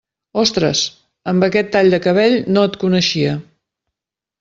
Ostres, amb aquest tall de cabell no et coneixia.